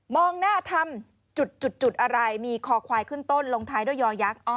มองหน้าทำจุดจุดจุดอะไรมีคอควายขึ้นต้นลงท้ายด้วยยอยักษ์อ๋อ